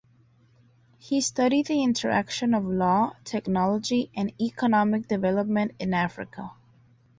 He studied the interaction of law, technology and economic development in Africa.